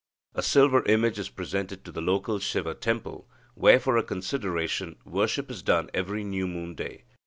A silver image is presented to the local Siva temple, where, for a consideration, worship is done every new moon day.